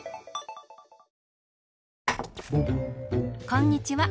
こんにちは。